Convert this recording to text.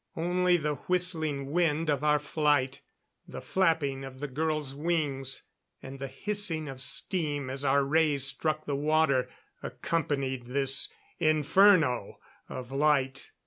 Only the whistling wind of our flight, the flapping of the girl's wings, and the hissing of steam as our rays struck the water, accompanied this inferno of light.